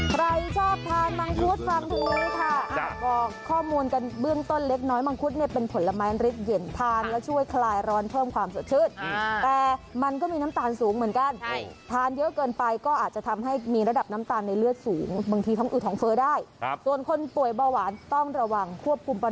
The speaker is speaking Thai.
ใครชอบทานมังคุดฟังดูค่ะบอกข้อมูลกันเบื้องต้นเล็กน้อยมังคุดเนี่ยเป็นผลไม้ริดเย็นทานแล้วช่วยคลายร้อนเพิ่มความสดชื่นแต่มันก็มีน้ำตาลสูงเหมือนกันทานเยอะเกินไปก็อาจจะทำให้มีระดับน้ำตาลในเลือดสูงบางทีท้องอืดท้องเฟ้อได้ส่วนคนป่วยเบาหวานต้องระวังควบคุมป